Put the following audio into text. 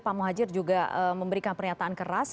pak muhajir juga memberikan pernyataan keras